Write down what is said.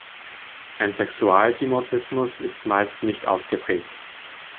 Ein Sexualdimorphismus ist meist nicht ausgeprägt.